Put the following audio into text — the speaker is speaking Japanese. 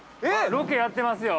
◆ロケやってますよ。